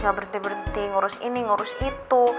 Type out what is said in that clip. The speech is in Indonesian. gak berhenti berhenti ngurus ini ngurus itu